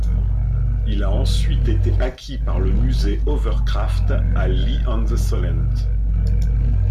Il a ensuite été acquis par le Musée Hovercraft à Lee-on-the-Solent.